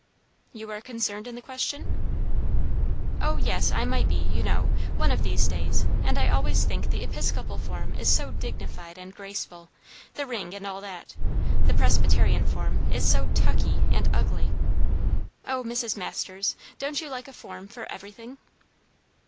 "You are concerned in the question?" "O yes. I might be, you know, one of these days; and I always think the Episcopal form is so dignified and graceful; the ring and all that; the Presbyterian form is so tucky and ugly. O, Mrs. Masters, don't you like a form for everything?"